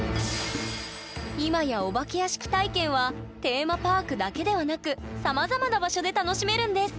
今やお化け屋敷体験はテーマパークだけではなくさまざまな場所で楽しめるんです！